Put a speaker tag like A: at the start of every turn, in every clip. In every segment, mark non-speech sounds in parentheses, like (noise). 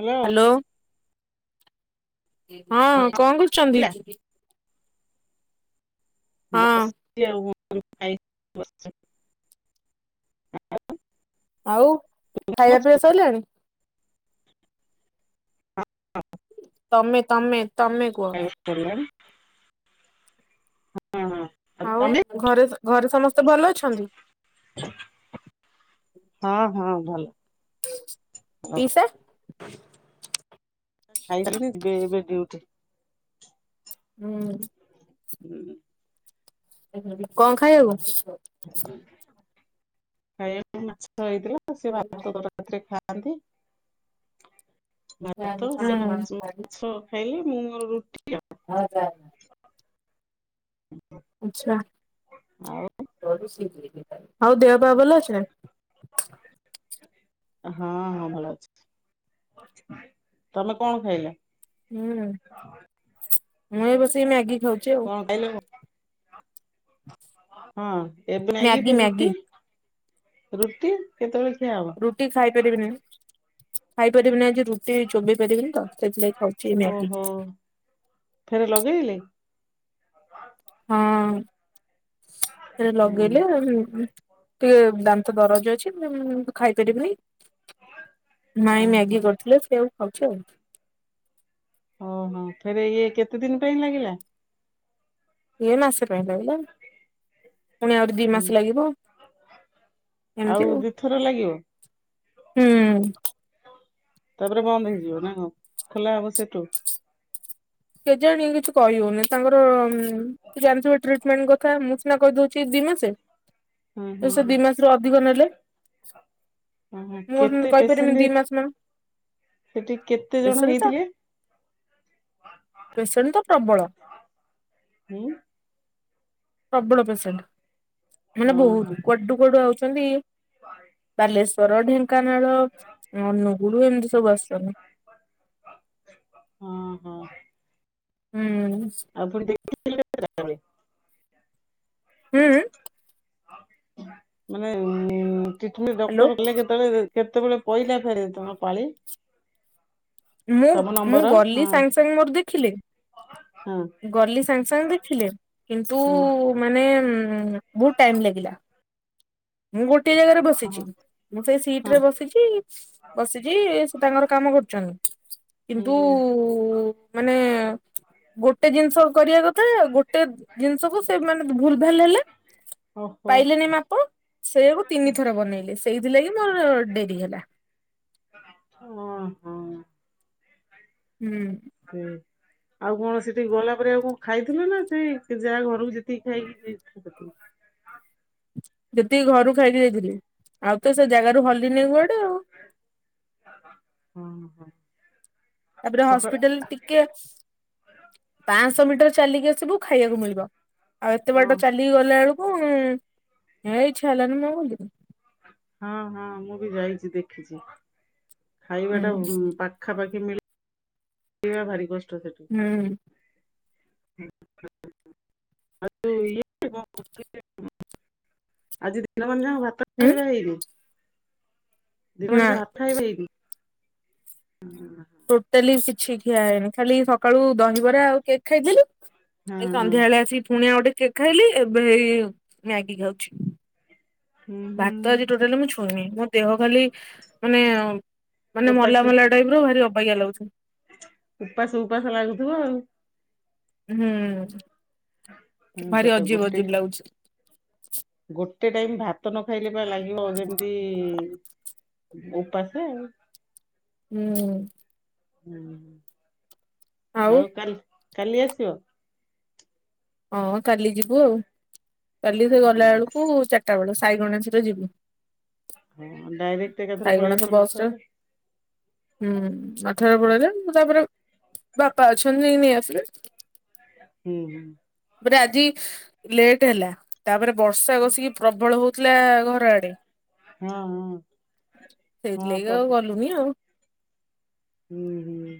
A: Hello.
B: Hello ହଁ କଣ କରୁଛନ୍ତି? ହଁ
A: ବସିଚି ଆଉ ଖାଇକି ବସିଚ଼।
B: ଆଉ ଖାଇବା ପିଇବା ସଇଲାଣି? ତମେ, ତମେ? ତମେ କୁହ
A: କାଇଁ କଣ (unintelligible)
B: ଆଉ ଘରେ ଘରେ ସମସ୍ତେ ଭଲ ଅଛନ୍ତି?
A: ହଁ, ହଁ। ଭଲ ଭଲ।
B: ପିଇସା?
A: ଖାଇସାରିଲାଣି ଯିବେ ଏବେ ଡ୍ୟୁଟି।
B: ହୁଁ।
A: (inaudible)
B: କଣ ଖାଇବାକୁ?
A: ଖାଇବା ମାଛ ହେଇଥିଲା। ସେ ଭାତ ତରକାରୀ ରାତିରେ ଖାଆନ୍ତି।
B: ହୁଁ
A: ଆମେ ତ ସେ ମାଛ ଖାଇଲେ, ମୁଁ ମୋର ରୁଟି ଆଉ।
B: ହଉ ଜା। ଆଛା।
A: ଆଉ
B: (inaudible) ଆଉ ଦେହପା ଭଲ ଅଛି ନା?
A: ହଁ, ହଁ ଭଲ ଅଛି। ତମେ କଣ ଖାଇଲ?
B: ହୁଁ, ମୁଁ ଏ ବସି ମ୍ୟାଗି ଖାଉଛି ଆଉ।
A: କଣ ଖାଇଲେ ହଁ, ଏବେ ମ୍ୟାଗି ରୁଟି ରୁଟି କେତେବେଳେ? ଖିଆ ହବ
B: ରୁଟି ଖାଇ ପାରିବିନି, ଖାଇପାରିବିନି, ଆଜି ରୁଟି ଚୋବେଇ ପାରିବିନି ତ। ସେଥି ଲାଗି ଖାଉଛି ମ୍ୟାଗି।
A: ଓହୋ ଫେରେ (inaudible)
B: ହଁ, ସେ
A: ହଁ,
B: ଲଗେଇଲେ ଟିକେ ଦାନ୍ତ ଦରଜ ଅଛି। ମୁଁ ଖାଇ ପାରିବିନି। ମାଇଁ
A: ଓହୋ।
B: ମ୍ୟାଗି କରୁଥିଲେ। ସେଆ କୁ ଖାଉଛି ଆଉ।
A: ଓହୋ ଫରେ ଇଏ କେତେ ଦିନ ପାଇଁ ଲାଗିଲା?
B: ଏ ମାସ ପାଇଁ ଲାଗିଲା ପୁଣି ଆହୁରି ଦି
A: ହୁଁ
B: ମାସ ଲାଗିବ।
A: ଆଉ ଦି ଥର ଲାଗିବ?
B: ହୁଁ।
A: ତାପରେ ବନ୍ଦ ହେଇଯିବ ନା କଣ? ଖୋଲା ହବ ସେଠୁ।
B: କେଜାଣି କିଛି କହିହଉନି। ତାଙ୍କର- ଉଁ ଜାଣିଥିବ ଟ୍ରିଟମେଣ୍ଟ କଥା ମୁଁ ସିନା କହିଦଉଛି। ସେ ଦି ମାସେ,
A: ହଁ ହଁ
B: ସେ
A: ହଁ
B: ଦି ମାସରୁ ଅଧିକ ନେଲେ।
A: ହଁ ହଁ
B: ମୁଁ
A: କେତେ
B: କହିପାରିବି
A: ପେସେଣ୍ଟ
B: ଦି
A: ହେଇଥି
B: ମାସ ମାନ
A: ସେଠି କେତେ ଜଣ ହେଇଥିଲେ?
B: ପେସେଣ୍ଟ ତ ପ୍ରବଳ।
A: ହୁଁ
B: ପ୍ରବଳ ପେସେଣ୍ଟ ମାନେ
A: ଓହୋ
B: ବହୁତ। କୁଆଡୁ କୁଆଡୁ ଆଉଛନ୍ତି। ବାଲେଶ୍ଵର, ଢେଙ୍କାନାଳ, ଅନୁଗୁଳ ଏମିତି ସବୁ ଆସିୁଛନ୍ତି।
A: ହିଁ ହଁ।
B: ହୁଁ।
A: ଆପଣ ଦେଖେଥିଲେ ତା ହେଲେ?
B: ହୁଁ।
A: ମାନେ ଟ୍ରିଟମେଣ୍ଟ
B: ହ୍ୟାଲୋ
A: ଡକ୍ଟର କଲେ କେତେବେଳେ କେତେବେଳେ ପଇଲା ଫେରେ ତମ ପାଳି?
B: ମୁଁ,
A: ତମ
B: ମୁଁ
A: ନମ୍ବର
B: ଗଲି
A: ହଁ
B: ସାଙ୍ଗେ ସାଙ୍ଗେ ମୋର ଦେଖିଲେ।
A: ହଁ
B: ଗଲି ସାଙ୍ଗେ ସାଙ୍ଗେ ଦେଖିଲେ। କିନ୍ତୁ
A: ହଁ
B: ମାନେ ହୁଁ, ବହୁତ ଟାଇମ ଲାଗିଲା। ମୁ ଟେ ଗୋଟିଏ ଜାଗାରେ ବସିଛି, ମୁଁ ସେଇ ସିଟ ରେ ବସିଛି, ବସିଛି ସେ ତାଙ୍କର କାମ କରୁଛନ୍ତି। କିନ୍ତୁ
A: ହୁଁ
B: ମାନେ ଗୋଟେ ଜିନିଷ କରିବା କଥା, ଗୋଟେ ଜିନିଷକୁ ସେ ମାନେ ଭୁଲ ଭାଲ ହେଲା
A: ଓହୋ
B: ପାଇଲେନି ମାପ ସେଇଆାକୁ ତିନି ଥର ବନେଇଲେ। ସେଇଥିଲାଗି ମୁର ଡେରିହେଲା।
A: ଓ ହଁ
B: ହୁଁ।
A: ହୁଁ। ଆଉ କଣ ସେଠିକି ଗଲା ପରେ ଆଉ କଣ ଖାଇଥିଲ ନା! ସେ ଯାହା ଘରକୁ ଯେତିକି ଖାଇକି (inaudible)
B: ଯେତିକି ଘରୁ ଖାଇକି ଯାଇଥିଲି। ଆଉ ତ ସେ ଜାଗାରୁ ହଲିନି କୁଆଡେ ଆଉ
A: ହଁ।
B: ତାପରେ
A: ସକାଳ
B: ହସ୍ପିଟାଲ ଟିକେ ପାଞ୍ଚଶହ ମିଟର ଚାଲିକି ସବୁ ଖାଇବାକୁ ମିଳିବ ଆଉ ଏତେ
A: ହଁ
B: ବାଟ ଚାଲି ଗଲାବେଳକୁ ହୁଁ ହେ ଇଚ୍ଛା ହେଲାଣି ମ
A: ହଁ ହଁ ମୁଁ ବି ଯାଇଛି ଦେଖିଛି ଖାଇବା
B: ହୁଁ
A: ଟା ପାଖାପାଖି ମିଳେ କି ଭାରି କଷ୍ଟ ସେଠୁ (unintelligible) ଆଜି ଦିନ ମନା ଯାହା ଭାତ
B: ହୁଁ
A: ରହିବା ହେଇନି। ଜୀବନ
B: ନା
A: ଯଥା ହେବେବି
B: ଟୋଟାଲି କିଛି ଖିଆ ହେଇନି ଖାଲି ସକାଳୁ ଦହିବରା ଆଉ କେକ୍ ଖାଇଥିଲୁ ଏ
A: ହଁ ହଁ।
B: ସନ୍ଧ୍ୟା ବେଳେ ଆସିକି ପୁଣିଆ ଗୋଟେ ଖାଇଲି ଏବେ ମ୍ୟାଗି ଖାଉଛି।
A: ହୁଁ
B: ଭାତ ଆଜି
A: ହୁଁ
B: ଟୋଟାଲି ମୁ ଛୁଇ ନି ଦେହ ଖାଲି ମାନେ ମାନେ
A: ଉପାସ
B: ମଲା ମଲା ଟାଇପ ର ଭାରି ଅବାଗିଆ ଲାଗୁଛି।
A: ଉପାସ ଉପାସ ଲାଗୁଥିବ ଆଉ।
B: ହୁଁ
A: ହଁ ତ
B: ଭାରି ଅଜିବ
A: ଗୋଟେ
B: ଅଜିବ ଲାଗଛି।
A: ଗୋଟେ ଟାଇମ ଭାତ ନ ଖାଇଲେ ବା ଲାଗିବ ଯେମିତି ଉପାସ
B: ହୁଁ।
A: ହୁଁ ଆଉ କାଲି କାଲି ଆସିବ।
B: ହଁ କାଲି ଯିବୁ ଆଉ କାଲି ସେ ଗଲା ବେଳକୁ ଚାରିଟା ବେଳ ସାଇ ଗଣେଶର ଯିବୁ
A: ହଁ ଡାଇରେକ୍ଟ ଏକାଥର
B: ସାଇ
A: ପଳେଇ
B: ଗଣେଶ
A: ଆସ
B: ବସ ରେ
A: ନ
B: ହୁଁ ଆଠରେ ପଳେଇାଏ ମୁଁ ତାପରେ ବାପା ଅଛନ୍ତୀ ନେଇ ଆସିଲ
A: ହୁଁ ହୁଁ।
B: ପରେ ଆଜି ଲେଟ ହେଲା ତାପରେ ବର୍ଷା ବଷିକି ପ୍ରବଳ ହଉଥିଲା ଘର ଆଡେ
A: ହଁ ହଁ
B: ସେଇଥିଲାଗ
A: ହଁ
B: ଆଉ
A: ପ
B: ଗଲୁନି ଆଉ।
A: ହୁଁ ହୁଁ।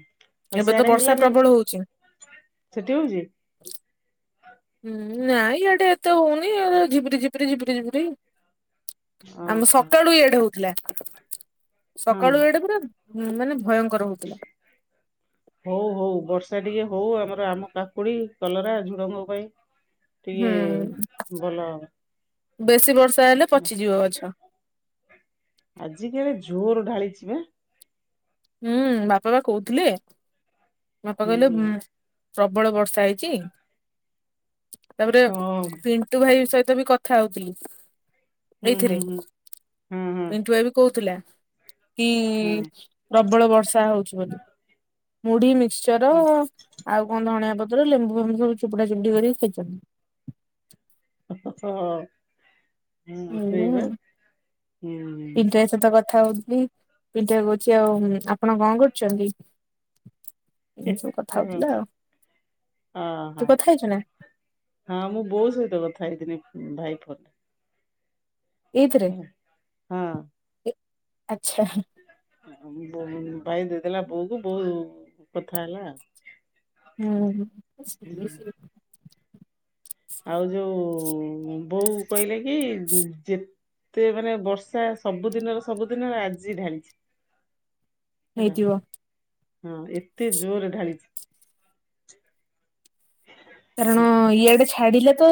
A: ଆଉ
B: ଏବେ ତ
A: ସେଆଡେ
B: ବର୍ଷା
A: ହେଲାନି
B: ପ୍ରବଳ ହଉଛି
A: ସେଠି ହଉଛି।
B: ହୁଁ ନାଇଁ ଇଆଡେ ଏତେ ହଉନି ଝିିପିରି ଝିପରି ଝିିବରି ଝିିବରି
A: ଓହୋ
B: ଆମ ସକାଳୁ ଇଆଦେ ହଉଥିଲା।
A: ହଁ
B: ସକାଳୁ ଏଟା ପୁରା ମାନେ ଭୟଙ୍କର ହଉଥିଲା।
A: ହଉ ହଉ ବର୍ଷା ଟିକେ ହଉ ଆମର ଆମ କାକୁଡି କଲରା ଝୁଡଙ୍କ ପାଇଁ
B: ହୁଁ
A: ଟିକେ ଭଲ ହେବ।
B: ବେଶୀ ବର୍ଷା ହେଲେ ପଚିଯିବ ଗଛ।
A: ଆଜିିକାଲି ଝୋର ଢାଳିଛି ବା
B: ହୁଁ ବାପା ବା କହୁଥିଲେ। ବାପା
A: ହୁଁ
B: କହିଲେ
A: ହୁଁ
B: ପ୍ରବଳ ବର୍ଷା ହେଇଛି? ତାପରେ
A: ହଁ
B: ପିଣ୍ଟୁ ଭାଇ ସହିତ ବି କଥା ହଉଥିଲି।
A: ହୁଁ
B: ଏଇଥିରେ
A: ହୁଁ ହୁଁ ହଁ
B: ପିଣ୍ଟୁ ଭାଇ ବି କହୁଥିଲା କି
A: ହଁ।
B: ପ୍ରବଳ ବର୍ଷା ହଉଛି ବୋଲି ମୁଢି ମି ମିକ୍ସଚର
A: ହଁ
B: ଆଉ ପତ୍ର ଲେମ୍ବୁ ଫେମ୍ବୁ ସବୁ ଚୋପୁଡା ଚୁପୁଡି କରିକି ଖାଇଛନ୍ତି।
A: ହ ହଁ
B: ଏଇଆ
A: ସେଇବା
B: ଆଉ
A: ହୁଁ।
B: ପିଣ୍ଟୁ ଭାଇ ସହିତ କଥା ହଉଥିଲି ପିଠା କରୁଛି ଆଉ ଆପଣ କଣ କରୁଛନ୍ତି? ଏମତି ସବୁ କଥା ହଉଥିଲେ ଆଉ ତୁ
A: ଓହୋ।
B: କଥା ହେଇଛୁ ନା।
A: ହଁ ମୁଁ ବୋଉ ସହିତ କଥା ହେଇଥିନି ଭାଇ ଫୋନରେ।
B: ଏଇଥିରେ
A: ହଁ।
B: ଆଚ୍ଛା।
A: ଭାଇ ଦେଇଦେଲା ବୋଉ କୁ ବୋଉ କଥା ହେଲା ଆଉ।
B: ହୁଁ।
A: ଆଉ ଯୋଉ ବୋଉ କହିଲେ କି ଯେ ତେ ମାନେ ବର୍ଷା ସବୁଦିନର ସବୁ ଦିନ ଆଜି ଢାଲିଛି।
B: ହେଇଥିବ।
A: ହଁ ଏତେ ଜୋରରେ ଢାଳିଛି।
B: କାରଣ
A: ହେଲା
B: ଇଆଡେ ଛାଡିଲେ ତ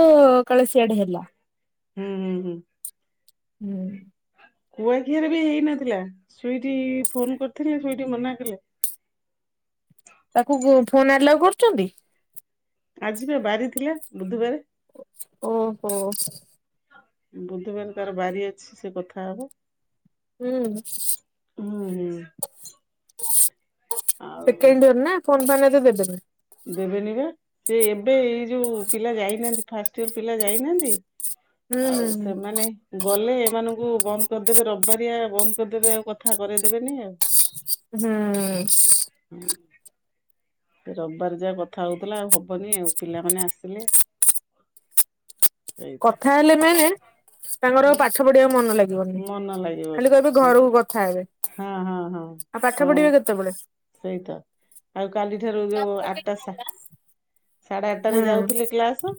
B: କାଳେ ସିଆଡେ ହେଲା।
A: ହୁଁ, ହୁଁ, ହୁଁ।
B: ହୁଁ।
A: କୁଆଖିଆରେ ବି ହେଇ ନଥିଲା ଶୁଇଟିି ଫୋନ କରିଥିଲେ ଶୁଇଟିି ମନା କଲେ
B: ତାକୁ ଫୋନ ଆଲାଉ କରୁଛନ୍ତି?
A: ଆଜିିବା ବାରି ଥିଲେ ବୁଧବାର।
B: ଓହୋ।
A: ବୁଧବାର ତାର ବାରି ଅଛି ସେ କଥା ହବ।
B: ହୁଁ।
A: ହୁଁ, ହୁଁ। ଆଉ
B: ସେକେଣ୍ଡିଅର ନା ଫୋନ ଫାନ ଏତେ ଦେବେନି।
A: ଦେବେନି ବା ସେ ଏବେ ଏଇ ଯୋଉ ପିଲା ଯାଇନାହାନ୍ତି ଫାଷ୍ଟ ଇୟର ପିଲା ଯାଇନାହାନ୍ତି?
B: ହୁଁ ହୁଁ
A: ଆଉ ସେମାନେ ଗଲେ ଏମାନଙ୍କୁ ବନ୍ଦ କରିଦେବେ ରବିବାରିଆ ବନ୍ଦ କରିଦେବେ ଆଉ କଥା କରଇଦେବେନି ଇଏ। ହଁ
B: ହୁଁ।
A: ରବିବାର ଯା କଥା ହଉଥିଲା ଆଉ ହବନି ଆଉ ପିଲାମାନେ ଆସିଲେ (inaudible)
B: କଥା ହେଲେ ମେନେ ତାଙ୍କର
A: ହଁ
B: ପାଠ ପଢିବା କୁ ମନ ଲାଗି
A: ମନ ଲାଗିବନି
B: ଖାଲି କହିବେ
A: ହଁ
B: ଘରକୁ କଥା ହେବେ
A: ହଁ ହଁ ହଁ।
B: ଆଉ ପାଠ
A: ହଁ
B: ପଢିବେ କେତେବେଳେ?
A: ସେଇତ ଆଉ କାଲିଠାରୁ ଯୋଉ ଆଠଟା ସାଢେ ଆଠଟରେ
B: ହୁଁ
A: ଯାଉଥିଲେ କ୍ଲାସ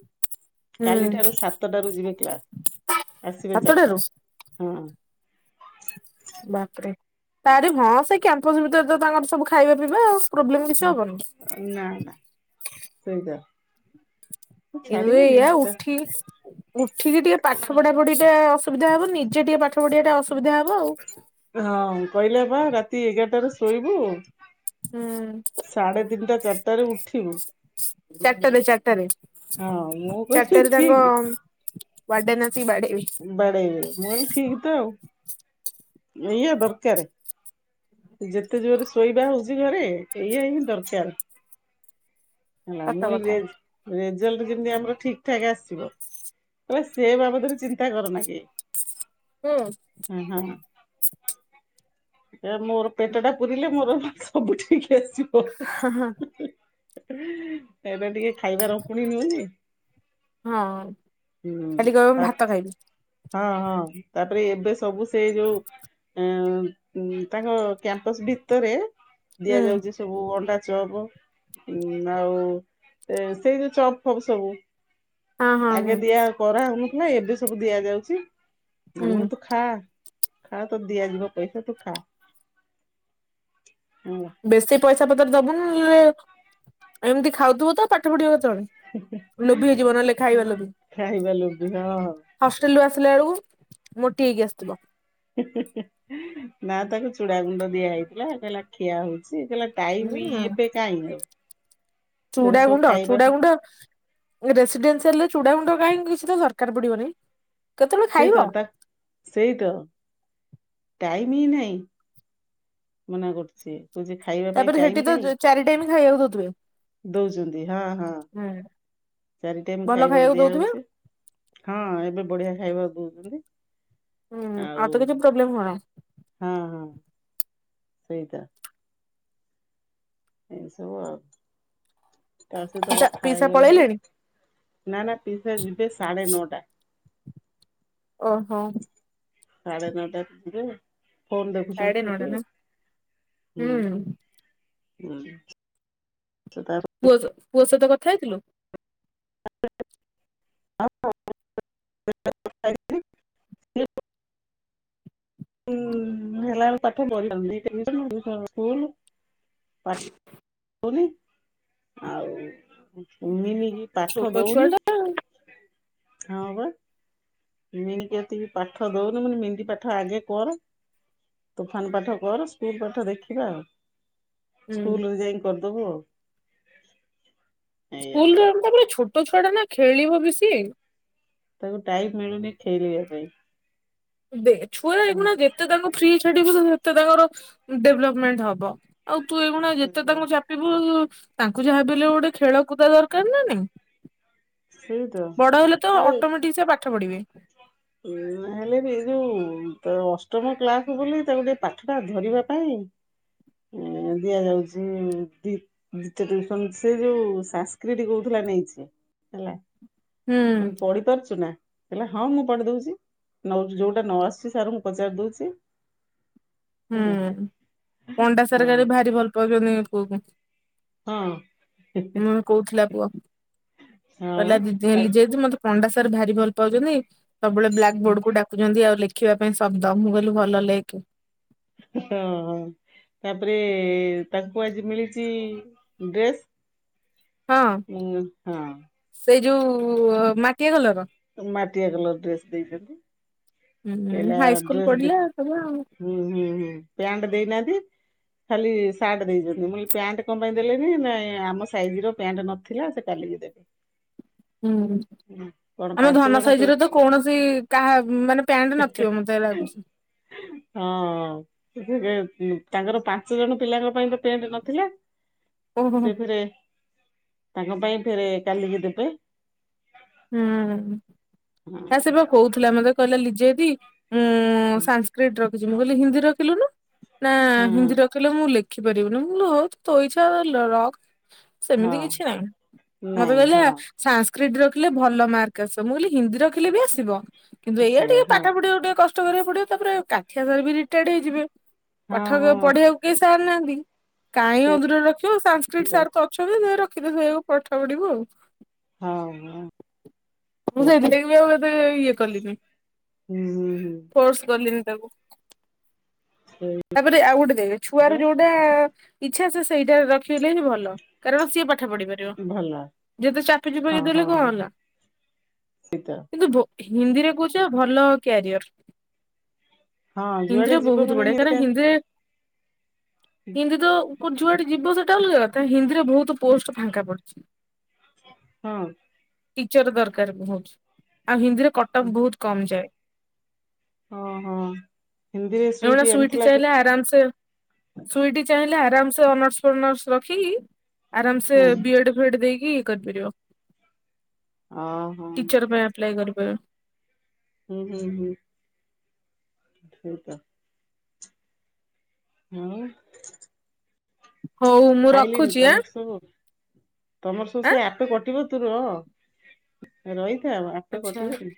B: ହୁଁ
A: କାଲିଠାରୁ ସାତଟାରୁ ଯିବେ କ୍ଲାସ ଆସିବେ
B: ସାତଟାରୁ
A: ଚାରିଟା। ହଁ।
B: ବାପରେ ତାରି ହଁ ସେ କ୍ୟାମ୍ପସ ଭିତରେ ତ ତାଙ୍କର ସବୁ ଖାଇବା ପିଇବା ଆଉ। ପ୍ରୋବ୍ଲେମ କିଛି ହବନି।
A: ନା, ନା ସେଇ ଟା
B: ଏୟେ ଏଉଆ
A: ତା
B: ଉଠି ଉଠିକି ଟିକେ ପାଠ ପଢା ପଢି ଟା ଅସୁବିଧା ହବ ନିଜେ ଟିକେ ପାଠ ପଢିିବା ଟା ଅସ
A: ହଁ କହିଲେ ବା ରାତି ଏଗାରଟାରୁ ଶୋଇବୁ।
B: ହୁଁ
A: ସାଢେ ତିନିଟା ଚାରିଟ ରେ ଉଠିବୁ
B: ଚାରିଟାରେ ଚାରଟାରେ
A: ହଁ ମୁଁ କହିଲି
B: ଚାରିଟା ରେ ତାଙ୍କ
A: ଠିକ
B: ୱାଡେନ
A: ବାଡେଇ ବେ ମୁ କହିଲି ଠିକ ତ ଆଉ। ଏଇଆ ଦରକାରେ। ଯେତେ ଜୋରେ ଶୋଇବା ହଉଛି ଘରେ ଏଇଆ ହିଁ ଦରକାର। ହେଲା
B: ସତ
A: ମୁଇଁ (inaudible)
B: କଥା।
A: ଯେମତି କିନ୍ଦି ଆମର ଠିକ ଠାକ ଆସିବ ହେଲେ ସେ ବାବଦରେ ଚିନ୍ତା କରନା କି
B: ହୁଁ।
A: ଏ ମୋର ପେଟ ଟା ପୁରିଲେ ମୋର ସବୁ ଠିକ ଆସିବ।
B: ହ ହଁ।
A: ଏବେ ଟିକେ ଖାଇବାର ପୁଣି ନିଉନି।
B: ହଁ ଖାଲି କହିବି ମୁ
A: ତା
B: ଭାତ ଖାଇବି।
A: ହଁ ହଁ ତାପରେ ଏବେ ସବୁ ସେ ଯୋଉ ଅ ଉ ତାଙ୍କ କ୍ୟାମ୍ପସ ଭିତରେ
B: ହୁଁ
A: ଦିଆଯାଉଛି ସବୁ ଅଣ୍ଡା ଚପ ଆଉ ଏ ସେଇ ଯୋଉ ଚପ୍ ଫପ୍ ସବୁ
B: ହଁ ହଁ
A: ଆଗେ
B: ହଁ
A: ଦିଆ କରା ହଉନଥିଲା ଏବେ ସବୁ ଦିଆଯାଉଛି।
B: ହୁଁ
A: ଏମିତି ତୁ ଖା ଖା ତତେ ଦିଆ ଯିବ ପଇସା ତୁ ଖା। (inaudible)
B: ବେଶୀ ପଇସା ପତ୍ର ଦବୁନି ନହେଲେ ଏମିତି ଖାଉଥିବ ତ ପାଠ ପଢ଼ିବ କେ କେତଳେ ଲୋଭି ହେଇଯିବ ନହେଲେ ଖାଇବା
A: ହୁଁ,
B: ଲୋଭି
A: ଖାଇବା ଲୋଭି ହଁ
B: ହଷ୍ଟେଲୁ ଆସି ଲାବେଳକୁ
A: ନା ତାକୁ ଚୁଡ଼ା ଗୁଣ୍ଡ ଦିଆ ହେଇଥିଲା କହିଲା ଖିଆ ହଉ ସେ କଇଲା ଟାଇମ୍ ଏବେ କାଇଁ। ସେରା ସବୁ
B: ଚୁଡ଼ାଗୁଣ୍ଡ
A: ଖାଇବା
B: ଚୁଡ଼ାଗୁଣ୍ଡ ରେସିଡେନ୍ସିଆଲେ ଚୁଡାଗୁଣ୍ଡ କାହିଁକି କିଛି ତ ଦରକାର ପଡ଼ିବନି।
A: ସେଇ ତ ତା ସେଇ ତ। ଟାଇମି ନାହିଁ ମନା କରୁଛି। କହୁଛି
B: ତାପରେ ସେଠି ତ ଚାରି ଟାଇମ୍ ଗାଇବାକୁ ଦ
A: ଦଉଚନ୍ତି ହଁ ହଁ।
B: ହୁଁ
A: ଚାରି ଟାଇମ୍
B: ଭଲ
A: ଖାଇବାକୁ ଦିଆ
B: ଦଉଥିବେ
A: ହଉଚି ହଁ ଏବେ ବଢିଆ ଖାଇବାକୁ ଦଉଚନ୍ତି।
B: ହୁଁ ଆଉତ କିଛି ପ୍ରୋବ୍ଲେମ
A: ହଁ ହଁ
B: ହଉନି।
A: ସେଇଟା। ଏ ସବୁ ଆଉ। ତା ସହିତ
B: ପିସା
A: କଥା
B: ପିସା
A: ହେଇଗଲି
B: ପଳେଇଲେଣି?
A: ଟିକେ ନା ନା ପିସା ଯି ସାଢ଼େ ନଟା।
B: ଓହୋ।
A: ସାଢେ ନଅଟା ରେ ଯିବେ ଫୋନ୍
B: ସାଢେ
A: ଦେଖୁଛନ୍ତି
B: ନଅଟା
A: ସେଠି
B: ନା
A: ହୁଁ। ହୁଁ ସେତାର
B: ପୁଅ ପୁଅ ସହିତ କଥା ହେଇଥିଲୁ?
A: (unintelligible) (unintelligible) ହଁ ହେଲାଆଳକୁ ପାଠ ବହି ଆଣିନି ଦିଟା ଟିୟୁସନ୍ ଦିଟା ସ୍କୁଲ୍ ହଉନି ଆଉ ଉମିନିଗି ପାଠ
B: ଛୋଟ ଛୁଆ
A: ଦଉନି
B: ଟା
A: ହଁ ବା। ମନି କେତିକି ପାଠ ଦଉନି ମୁ କଇନି ମିଦି ପାଠ ଆଗେ କର। ତୋଫାନ ପାଠ କର ସ୍ପିରି ପାଠ ଦେଖିବା ଆଉ।
B: ହୁଁ।
A: ସ୍କୁଲରେ ଯାଇ କରିଦବୁ ଆଉ। ଏଇଆ
B: ସ୍କୁଲରେ
A: କର
B: ତାପରେ ଛୋଟ ଛୁଆ ଟା ନା ଖେଳିବ ବେଶି?
A: ତାକୁ ଟାଇମ୍ ମିଳୁନି ଖେଳିବା ପାଇଁ।
B: ଦେ ଛୁଆ
A: ହଁ।
B: ଏଉଗୁଣା ଯେତେ ତାଙ୍କୁ ଫ୍ରି ଛାଡ଼ିବୁ ସେତେ ତାଙ୍କର ଡେଭଲପମେଣ୍ଟ ହବ ଆଉ ତୁ ଏଇଗୁଣା ଯେତେ ତାଙ୍କୁ ଚାପିବୁ ତାଙ୍କୁ ଯାହାବି ହେଲେ ଗୋଟେ ଖେଳକୁଦା ଦରକାର ନା ନାଇଁ।
A: ସେଇ ତ
B: ବଡ ହେଲେ ତ
A: ଆଉ
B: ଅଟୋମେଟିକ ସେ ପାଠ ପଢିବେ।
A: (unintelligible) ହେଲେ ବି ଏ ଯୋଉ ଅଷ୍ଟମ କ୍ଲାସ ବୋଲି ତାକୁ ଟିକେ ପାଠ ଟା ଧରିବା ପାଇଁ ଦିଆଯାଉଛି ଦି ଯେତେ ଟିୟୁସନ୍ ସେ ଯୋଉ ସାସ୍କ୍ରଡି କହୁଥିଲା ନେଇଚି ହେଲା
B: ହୁଁ
A: ମୁ କଇଲି ପଢି ପାରୁଚୁ ନା। ହେଲେ ହଁ ମୁଁ ପଡି ଦଉଛି ନ ଯୋଉଟା ନ ଆସୁଛି ସାର ମୁଁ ପଚାରି ଦଉଛି।
B: ହୁଁ
A: ହେଲା।
B: ପଣ୍ଡା
A: ହଁ
B: ସାର ଗାଲି ଭାରି ଭଲ ପାଉଛନ୍ତି, ପୁଅ କୁ।
A: ହଁ।
B: ମୁଁ କହୁଥିଲା ପୁଅ
A: ହଁ
B: କହିଲା ଦିଦି
A: ବା
B: ହେ ଯି ମତେ ପଣ୍ଡା ସାର ଭାରି ଭଲ ପାଉଛନ୍ତି ସବୁବେଳେ ବ୍ଲାକ୍
A: ତା
B: ବୋର୍ଡ କୁ ଡକୁଛନ୍ତି ଆଉ ଲେଖି ଦେଖିବା ପାଇଁ ଶବ୍ଦ ମୁଁ କହିଲି ଭଲ ଲେଖେ
A: ହଁ। ତାପରେ ତାଙ୍କୁ ଆଜି ମିଳିଛି ଡ୍ରେସ
B: ହଁ ସେଇ ଯୋଉ ମାଟିଆ କଲର
A: ମାଟିଆ କଲର ଡ୍ରେସ ଦେଇ ହେ
B: ହୁଁ ହାଇସ୍କୁଲ
A: ଡ୍ରେସ
B: ପଢିଲା ତବେ ଆଉ
A: ହଁ ହ ପ୍ୟାଣ୍ଟ ଦେଇନାହାନ୍ତି। ଖାଲି ସାର୍ଟ ଦେଇଛନ୍ତି ମୁ ପ୍ୟାଣ୍ଟ କଣ ପାଇଁ ଦେଲେନି, ନାଇଁ ଆମ ସାଇଜ ର ପ୍ୟାଣ୍ଟ ନଥିଲା ସେ କାଲି କାଲି ଦେବେ
B: ହୁଁ
A: ହୁଁ କଣ
B: ଆମ
A: ପାଞ୍ଚ
B: ଧନ
A: ଜଣ ପି
B: ସାଇଜ ତ କୌଣସି କାହା ମାନେ ନଥିବ ମୋତେ ଲାଗୁଛି।
A: ହଁ। ତାଙ୍କର ପାଞ୍ଚ ଜଣ ପିଲାଙ୍କ ପାଇଁ ତ ପେଣ୍ଟ ନଥିଲା।
B: ଓହୋ ହୋ।
A: ସେ ଫେର ତାଙ୍କ ପାଇଁ ଫେର କାଲିକି ଦେବେ
B: ହୁଁ ଆ ସେ ବା କଉଥିଲା ମତେ କହିଲା ଲିଜେଦି ଉଁ
A: ହଁ
B: ସାସ୍କ୍ରିଟ ରଖିଛି ମୁଁ କହିଲି ହିନ୍ଦୀ ରଖିଲୁନୁ ନା
A: ହଁ
B: ହିନ୍ଦୀ ରଖିଲେ ମୁଁ ଲେଖିପାରିବିନି ମୁଁ ତ ଇଛା ରଖ ସେମିତି
A: ହଁ
B: କିଛି ନାହିଁ ମତେ
A: ନାଇଁ
B: କହିଲା
A: ହଁ
B: ସାସ୍କ୍ରିଟ ର ଖିଲେ ଭଲ ମାର୍କ ଆସିବ ମୁଁ କହିଲି ହିନ୍ଦୀ ରଖିଲି ବି ଆସିବ କିନ୍ତୁ ଏଇଆ
A: ଆସିବ
B: ଟିକେ
A: ହଁ
B: ପାଖାପଢି ଗ ଟିକେ କଷ କଷ୍ଟ କରିବାକୁ ପଡିବ ତାପରେ କାଠିଆ ସାର୍ ବି ରିଟାୟାର୍ଡ ହେଇଯିବେ
A: ହଁ
B: ପଠ
A: ହଁ
B: ପଢିବାକୁ କେହି ସାର ନାହାନ୍ତି। କାଇହିଁ
A: ସେଇଟା
B: ଅଧୁର ରଖିବ ସାଂସ୍କତି ସାର ତ ଅଛନ୍ତି ନେ ର ଶରେ ଧକୁ ପଠ ପଢିବୁ ଆଉ।
A: ହଁ ହ।
B: ମୁଁ ସେତି ବି ଆଉ ଇଏ କଲିନି
A: ହୁଁ ହୁଁ ହୁଁ
B: ଫୋର୍ସ କଲିନି
A: ସେଇଟା
B: ତାପରେ ଆଉ ଗୋଟେ ଦେଖ ଛୁଆର ଯୋଉଟା ଇଚ୍ଛା ସେ ସେଇଟା ରଖିଲେ ହିଁ ଭଲ କାରଣ ସିଏ ଠ ପଢି ପାରିବ
A: ଭଲ
B: ଯେତେ ଚାପି
A: ହଁ
B: ଚୁପକି ଦେଲେ
A: ହଁ
B: କଣ
A: ହଁ
B: ହେଲା
A: ସେଇତ
B: କିନ୍ତୁ ହିନ୍ଦୀରେ କହୁଛ ଭଲ କ୍ୟାରିୟର
A: ହଁ
B: ହିନ୍ଦୀ
A: ଯୁଆଡେ
B: ରେ
A: ଯିବ
B: ବହୁତ
A: ମାନେ
B: ବଢିଆ କାରଣ
A: ହିନ୍ଦୀଟା
B: ହିନ୍ଦୀରେ ହିନ୍ଦୀ ତ ଉପର ଯୁଆଟେ ଯିବ ସେଟା ଅଲଗା କଥା ହିନ୍ଦୀରେ ବହୁତ ପୋଷ୍ଟ ଫାଙ୍କା ପଡିଛି।
A: ହଁ
B: ଟିଚର ଦରକାର ବହୁତ ଆଉ ହିନ୍ଦୀରେ କଟପ ବହୁତ କମ ଯାଏ
A: ଓହୋ ହିନ୍ଦୀରେ
B: ଏଟା
A: ସୁଇଟି
B: ସଇଟ
A: ଆଣିଥିଲା
B: ଚାହିଲେ
A: କେତେ
B: ଆରାମ ସେ ସୁଇଟି ଚାହିଁଲେ ଆରାମ ସେ ଅନର୍ସ ଫନର୍ସ ରଖିକି ଆରାମସେ
A: ହଁ
B: ବିଏଡ୍ ଫିଏଡ ଦେଇକି ଇ କରିପାରିବ।
A: ଓହୋ
B: ଟିଚର ପାଇଁ ଆପ୍ଲାଏ କରିପାରିବ।
A: ହୁଁ ହୁଁ ହୁଁ ସେ ତ। ହୁଁ।
B: ହଉ ମୁଁ ରଖୁଚି ଆଁ।
A: ସବୁ ତମର ସବୁ
B: ଆଁ
A: ସେ ଆପେ କଟିବ ତୁରହ ରହି ଥା ଆପେ
B: ଆଚ୍ଛା
A: କଟିବନି।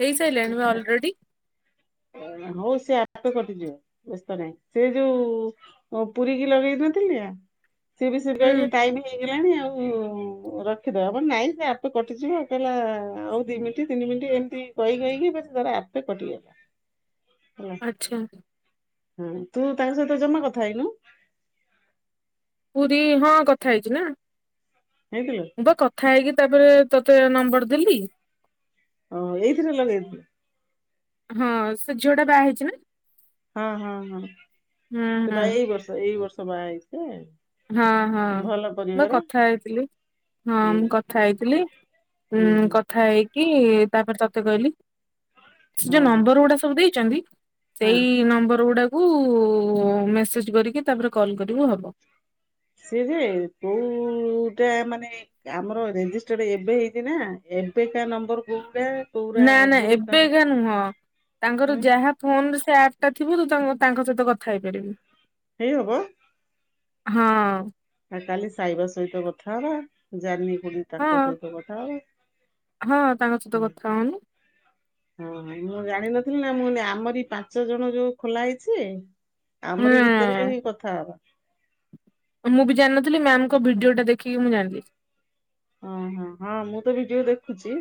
B: ହେଇସାରିଲାଣି
A: କଣ
B: ବା ଅଲରେଡି
A: ଖା ହଉ ସେ ଆପେ କଟିଯିବ ବ୍ୟସ୍ତ ନାହିଁ ସେ ଯୋଉ ଅ ପୁରୀ କିି ଲଗେଇ ଦଉ ଠି ଯା। ସିଏ ବି ସିଏ
B: ହୁଁ
A: କହିଲେ ଟାଇମ ହେଇଗଲାଣି ଆଉ। ରଖିଦବା ନାଇଁ ଆପେ ସେ କଟିଯିବ ଆଉ କହିଲା ଆଉ ଦି ମିନିଟ୍ ତିନି ମିନିଟ ଏମିତି କହି କହିକି ତାର ଆପେ କଟି ଗଲା।
B: ଆଚ୍ଛା।
A: ହଁ ତୁ ତାଙ୍କ ସହିତ ଜମା କଥା ହେଇନୁ?
B: ପୁରୀ ହଁ କଥା ହେଇଚି ନା
A: ହେଇଥିଲୁ
B: ବା କଥା ହେଇକି ତାପରେ ତତେ ନମ୍ବର ଦେଲି।
A: ଓଁ ଏଇଥିରେ ଲଗେଇବୁ।
B: ହଁ ସେ ଝିଅଟା ବାହା ହେଇଚି ନା?
A: ହଁ ହଁ ହଁ
B: ହୁଁ
A: ସେ
B: ହୁଁ
A: ବା ଏଇ ବର୍ଷ ଏଇ ବର୍ଷ ବାହା ହେଇଚି ଯେ
B: ହଁ ହଁ ମୁ ପା କଥା ହେଇଥିଲି ହଁ
A: ହୁଁ
B: ମୁଁ କଥା ହେଇଥିଲି। ହୁଁ କଥା ହେଇ କି ତାପରେ ତତେ କହିଲି ସେ
A: ହଁ
B: ଯୋଉ ନମ୍ବର ଗୁଡା ସବୁ ଦେଇଚନ୍ତି
A: ହଁ
B: ସେଇ ନମ୍ବର ଗୁଡାକୁ ମେସେଜ କରିକି ତାପରେ କଲ୍ କରିବୁ ହବ।
A: ସିଏ ଯେ କୋଉଟା ମାନେ ଆମର ରେଜିଷ୍ଟର ଏବେ ହେଇଚି ନା। ଏବେ କା ନମ୍ବରକୁ
B: ନା ନା ଏବେକା ନୁହଁ ତାଙ୍କର
A: ହୁଁ
B: ଯାହା ଫୋନରେ ସେ ଆପ୍ ଟା ଥିବୁ ତୁ ତାଙ୍କ ସହିତ କଥା ହେଇପାରିବୁ।
A: ହେଇହବ
B: ହଁ।
A: ଆ କାଲି ସାଇବା ସହିତ କଥା ହବା, ଜାଲି ପୁଣି
B: ହଁ
A: ତାଙ୍କ ସହିତ କଥା ହବା।
B: ହଁ ତାଙ୍କ ସହିତ
A: ହଁ
B: କଥା ହଉନୁ।
A: ହଁ ହଁ ମୁ ଜାଣି ନ ଥ ଥିଲି ନା ମୁଁ କହିଲି ଆମରି ପାଞ୍ଚ ଜଣ ଯୋଉ ଖୋଲା ହେଇଚି ଯେ ଆମରି ଭିତରେ ହିଁ
B: ହୁଁ
A: କଥା ହବା।
B: ମୁଁ ବି ଜାଣିନଥିଲି ମ୍ୟାମଙ୍କ ଭିଡିଓ ଟା ଦେଖିକି ମୁଁ ଜାଣିଲି।
A: ଅ ହଁ ମୁଁ ତ ଭିଡିଓ ଦେଖୁଚି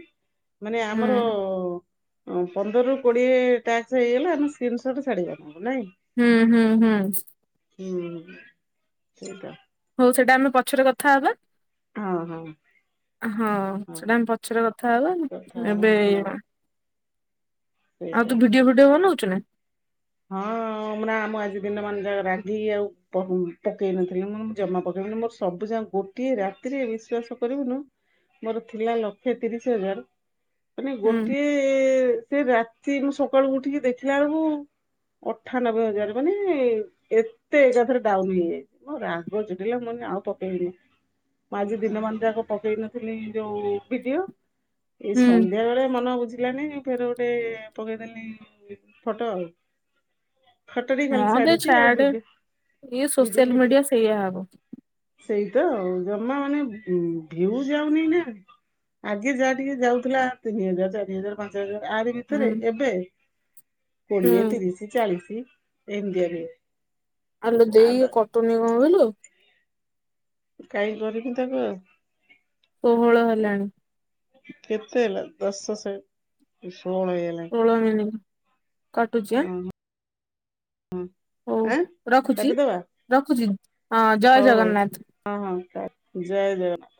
A: ମାନେ
B: ହୁଁ
A: ଆମର ହଁ ପନ୍ଦରରୁ କୋଡିଏ ଟାସ୍କ ହେଇଗଲା ଆମେ ସ୍କ୍ରୀନ୍ ଶର୍ଟ୍ ଛାଡ଼ିବା ଆପଣଙ୍କୁ ନାଇଁ?
B: ହୁଁ ହୁଁ ହୁଁ।
A: ହୁଁ ସେଇଟା।
B: ହଉ ସେଇଟା ଆମେ ପଛରେ କଥା ହବା।
A: ହଁ ହଁ।
B: ହଁ ସେଟା ଆମେ ପଛରେ କଥା ହେବା
A: କଥା ହବା
B: ଏବେ
A: ହଁ
B: ଆଉ
A: ସେଇଟା
B: ତୁ ଭିଡିଓ ଭିଡିଓ ବନଉଚୁ ନା?
A: ହଁ। ହଁ ନାଁ ମୁଁ ଆଜି ଦିନ ମାନ ଯାକ ରାଗିକି ଆଉ ପକେଇ ନଥିଲି ଜମା ପକେଇବିନି ମୋର ସବୁଯା ଗୋଟିଏ ରାତିରେ ଥିଲା ବିଶ୍ୱାସ କରିବୁନୁ ମୋର ଥିଲା ଲକ୍ଷେ ତିରିଶ ହଜାର ମାନେ
B: ହୁଁ
A: ଗୋଟିଏ ସେ ରାତିରୁ ମୁଁ ସକାଳକୁ ଉଠିକି ଦେଖିଲା ବେଳକୁ ଅଠାନବେ ହଜାର ମାନେ ଏତେ ଏକାଥରେ ଡାଉନ ହେଇଯାଇଚି, ମୋ ରାଗ ଚିଡିଲା ମ ଆଉ ପକେଇବିନି ମୁଁ ଆଜି ଦିନ ମାନ ଯାକ ପକେଇନଥିଲି ଯୋଉ ଭିଡିଓ ଏଇ
B: ହୁଁ
A: ସନ୍ଧ୍ୟା ବେଳେ ମନ ବୁଝିଲାନି ଫେର ଗୋଟେ ପକେଇଦେଲି ଫଟୋ ଆଉ। ଫଟୋରେ ଖାଲି
B: ହଁ ବେ
A: ଛାଡିଚି, ଆଉ
B: ଛାଡେ
A: ବିଡି
B: ଇଏ
A: ଭିଡିଓ
B: ସୋସିଆଲ
A: ଫିଡିଓ
B: ମିଡିଆ ସେଇଆ ହବ।
A: ସେଇ ତ ଆଉ ଜମା ମାନେ ଉ ଭିଉ ଯାଉନି ନା ଆଗେ ଯାହା ଟିକେ ଯାଉଥିଲା ତିନି ହଜାର ଚାରି ହଜାର ପାଞ୍ଚ ହଜାର। ଆରି
B: ହୁଁ
A: ଭିତରେ ଏବେ କୋଡିଏ
B: ହୁଁ
A: ତିରିଶ ଚାଳିଶ ଏମିତିଆ ଦିଏ।
B: ଆଲୋ ଦେଇ ଏ କଟୁନି କଣ ପାଈଁ ଲୋ
A: କହିଁ କରିକି ତାକୁ ଆଉ
B: କୋହଳ ହେଲାଣି।
A: କେତେ ହେଲା ଦଶ ଷୋହଳ ହେଇଗଲାଣି
B: ସୋଳ ମିନିଟି କାଟୁଛି ଆ!
A: ହଁ ଆ
B: ରଖୁଛି
A: କାଟିଦବା
B: ରଖୁଛି ହଁ ଜୟ
A: ହଉ
B: ଜଗନ୍ନାଥ।
A: ହଉ ହଁ ହଁ। ଜୟ ଦେବ।